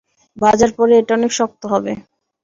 ভাঁজার পরে এটি অনেক শক্ত হবে।